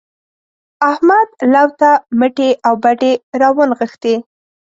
احمد لو ته مټې او بډې راونغښتې.